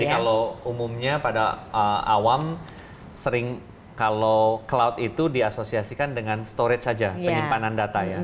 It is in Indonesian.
jadi kalau umumnya pada awam sering kalau cloud itu diasosiasikan dengan storage saja penyimpanan data ya